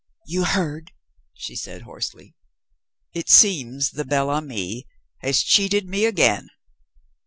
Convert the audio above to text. "You heard?" she said hoarsely. "It seems the bel ami has cheated me again."